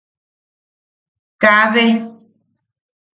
Kaabe.